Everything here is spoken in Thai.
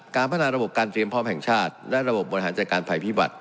การพัฒนาระบบการเตรียมพร้อมแห่งชาติและระบบบริหารจัดการภัยพิบัติ